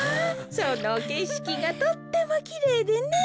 そのけしきがとってもきれいでね。